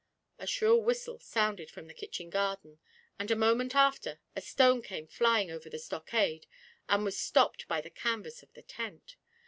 A shrill whistle sounded from the kitchen garden, and, a moment after, a stone came flying over the stockade, and was stopped by the canvas of the tent.